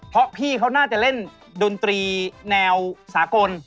เพราะพี่เขาน่าจะเล่นดนตรีแนวสากล